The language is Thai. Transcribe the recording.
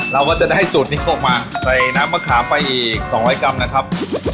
เราก็จะได้สูตรนิกกมาใส่น้ำมะขามไปอีก๒๐๐กรัมนะครับ